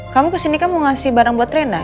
kamu kesini kan mau ngasih barang buat reina